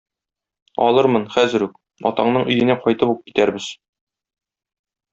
Алырмын, хәзер үк, атаңның өенә кайтып ук китәрбез.